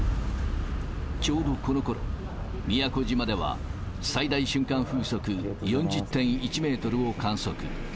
ちょうどこのころ、宮古島では最大瞬間風速４０．１メートルを観測。